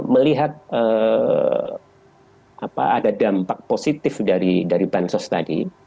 melihat ada dampak positif dari bahan sos tadi